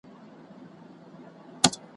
د ادم د رباب شرنګ ته انتظار یم ,